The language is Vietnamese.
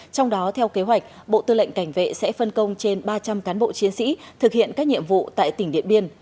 trong đó theo kế hoạch bộ tư lệnh cảnh vệ sẽ phân công trên ba trăm linh cán bộ chiến sĩ thực hiện các nhiệm vụ tại tỉnh điện biên